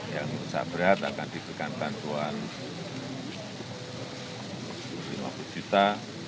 yang rusak berat akan diberikan bantuan rp lima puluh juta